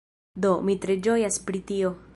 Do, mi tre ĝojas pri tio